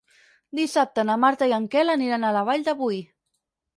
Dissabte na Marta i en Quel aniran a la Vall de Boí.